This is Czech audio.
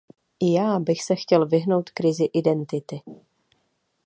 I já bych se chtěl vyhnout krizi identity.